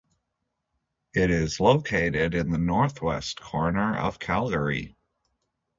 It is located in the northwest corner of Calgary.